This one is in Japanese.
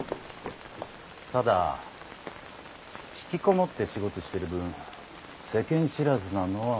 ただ引きこもって仕事してる分世間知らずなのは間違いない。